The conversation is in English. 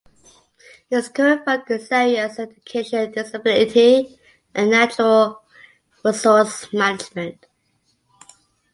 Its current focus areas are Education, Disability and Natural resource management.